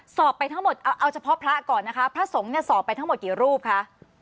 สอบไปทั้งหมดเอาเฉพาะพระก่อนนะคะพระสงฆ์เนี่ยสอบไปทั้งหมดกี่รูปคะ